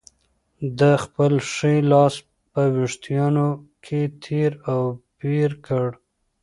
ده خپل ښی لاس په وېښتانو کې تېر او بېر کړ.